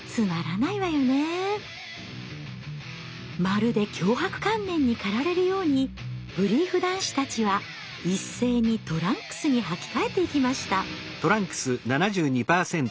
まるで強迫観念にかられるようにブリーフ男子たちは一斉にトランクスにはき替えていきました。